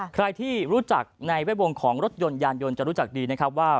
ใครที่รู้จักในแวดวงของรถยนต์ยานยนต์จะรู้จักดีนะครับว่า